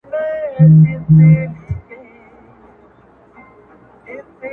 کارخانې پکښی بنا د علم و فن شي!!